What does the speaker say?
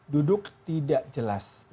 duduk tidak jelas